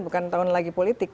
bukan tahun lagi politik